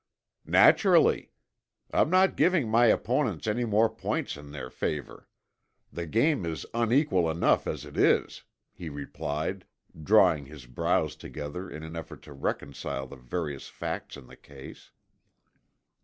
"Naturally. I'm not giving my opponents any more points in their favor. The game is unequal enough as it is," he replied, drawing his brows together in an effort to reconcile the various facts in the case.